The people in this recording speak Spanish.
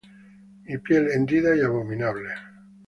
Mi piel hendida y abominable.